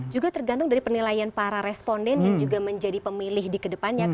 juga tergantung dari penilaian para responden yang juga menjadi pemilih di kedepannya